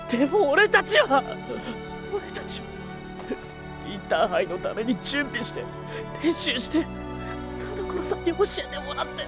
俺たちインターハイのために準備して練習して田所さんに教えてもらって。